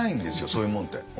そういうもんって。